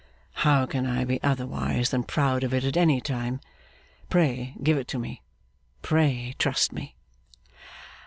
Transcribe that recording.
'How can I be otherwise than proud of it at any time! Pray give it to me. Pray trust me.